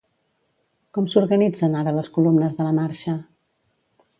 Com s’organitzen ara les columnes de la marxa?